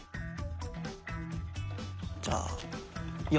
じゃあ４！